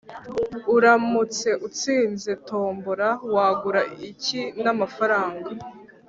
uramutse utsinze tombora, wagura iki namafaranga